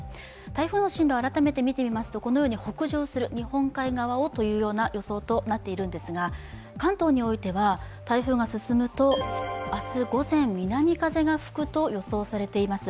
台風の進路、改めて見てみますと、このように北上する、日本海側をというような予想となっているんですが、関東においては、台風が進むと明日午前、南風が吹くと予想されています。